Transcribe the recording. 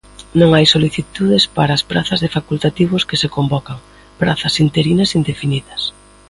Non hai solicitudes para as prazas de facultativos que se convocan, prazas interinas indefinidas.